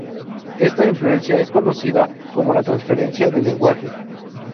Esta influencia es conocida como la transferencia de lenguaje.